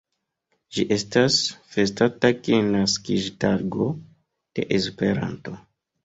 Ĝi estas festata kiel naskiĝtago de Esperanto.